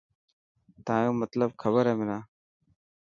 تايون مطلب کبر هي منا.